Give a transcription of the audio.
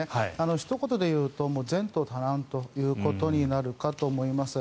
ひと言でいうと前途多難ということになるかと思います。